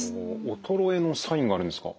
衰えのサインがあるんですか？